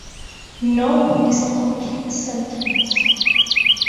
"No" is a complete sentence.